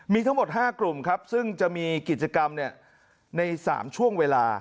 มีทั้งหมดห้ากลุ่มครับซึ่งจะมีกิจกรรมเนี่ยในสามช่วงเวลา